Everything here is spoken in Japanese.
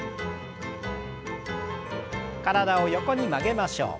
体を横に曲げましょう。